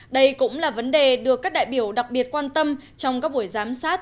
đây cũng là vấn đề được các đại biểu đặc biệt quan tâm trong các buổi giám sát